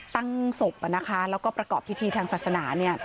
ตั้งศพนะคะแล้วก็ประกอบพิธีทางศาสนา